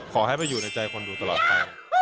ขอให้ไปอยู่ในใจคนดูตลอดทาง